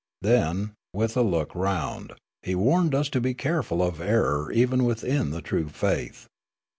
Then, with a look round, he warned us to be careful of error even within the true faith.